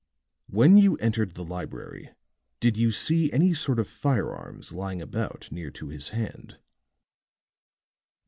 "When you entered the library did you see any sort of firearms lying about near to his hand?"